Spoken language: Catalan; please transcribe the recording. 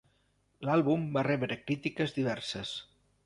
L'àlbum va rebre crítiques diverses.